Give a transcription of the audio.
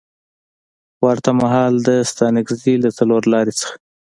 ورته مهال د ستانکزي له څلورلارې څخه